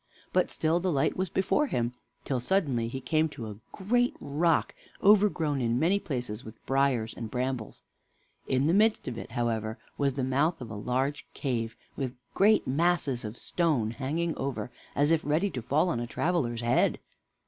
But still the light was before him, till suddenly he came to a great rock, overgrown in many places with briers and brambles. In the midst of it, however, was the mouth of a large cave, with great masses of stone hanging over, as if ready to fall on a traveler's head.